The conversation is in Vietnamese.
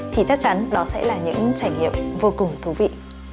thì chắc chắn đó sẽ là những trải nghiệm vô cùng thú vị